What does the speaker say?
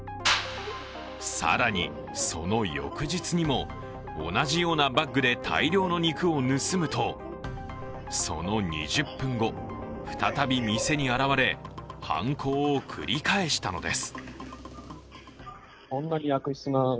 更に、その翌日にも同じようなバッグで大量の肉を盗むとその２０分後、再び店に現れ、犯行を繰り返したのです。